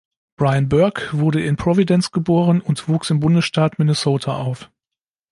Brian Burke wurde in Providence geboren und wuchs im Bundesstaat Minnesota auf.